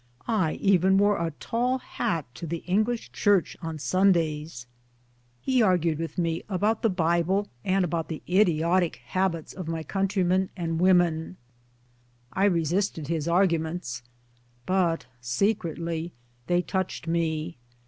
I even wore a tall hat to the English church on Sundays 1 He argued with me about the Bible 45 ;46 MY DAYS AND DREAMS and about the idiotic habits of my countrymen and women. I resisted his arguments, but secretly they touched me.